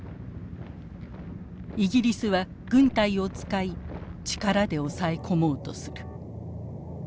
イギリスは軍隊を使い力で抑え込もうとする。